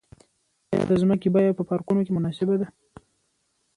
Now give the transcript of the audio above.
آیا د ځمکې بیه په پارکونو کې مناسبه ده؟